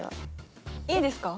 いいですか？